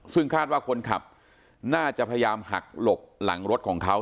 ซึ่งคาดว่าคนขับน่าจะพยายามหักหลบหลังรถของเขา